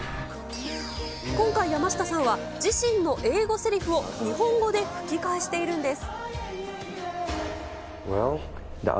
今回、山下さんは自身の英語せりふを日本語で吹き替えしているんです。